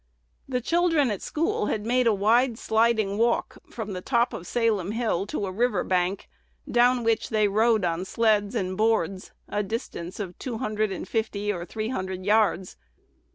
"The children at school had made a wide sliding walk," from the top of Salem Hill to the river bank, down which they rode on sleds and boards, a distance of two hundred and fifty or three hundred yards.